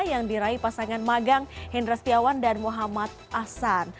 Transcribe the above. yang diraih pasangan magang hendra setiawan dan muhammad ahsan